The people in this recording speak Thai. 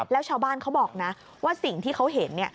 แล้วชาวบ้านเขาบอกนะว่าสิ่งที่เขาเห็น